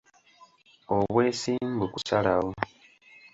Obwesimbu kusalawo.